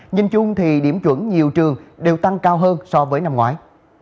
nhìn chung thì điểm chuẩn nhiều trường đều tăng cao hơn so với năm ngoái